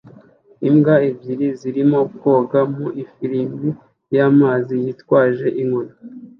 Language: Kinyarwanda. Imbwa ebyiri zirimo koga mu ifirimbi y'amazi yitwaje inkoni